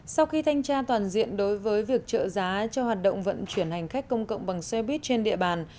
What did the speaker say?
sau khi thanh tra toàn diện đối với việc trợ giá cho hoạt động vận chuyển hành khách công cộng bằng xe buýt trên địa bàn